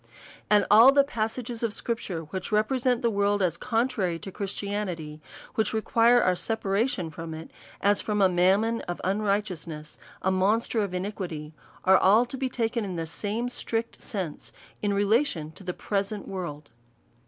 And all the passages of scripture^ which represent the world as contrary to Christianity, which require our separation from it, as from a mammon of unrigh teousness, a monster of iniquity, are all to be taken in the same strict sense, in relation to the present world.